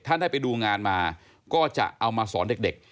ถ้าได้ไปดูงานมาก็จะเอามาสอนเด็ก